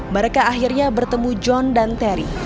mereka akhirnya bertemu john dan terry